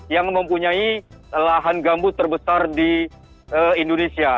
yang mempunyai lahan gambut terbesar di indonesia